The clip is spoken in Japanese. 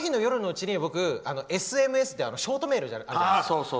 その日の夜のうちにＳＭＳってショートメールがあるじゃないですか。